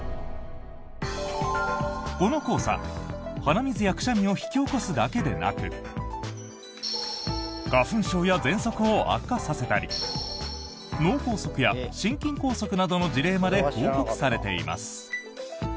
この黄砂、鼻水やくしゃみを引き起こすだけでなく花粉症やぜんそくを悪化させたり脳梗塞や心筋梗塞などの事例まで報告されています。